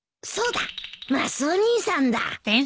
そうだマスオ兄さんだ